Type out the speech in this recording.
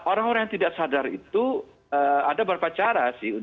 orang orang yang tidak sadar itu ada beberapa cara sih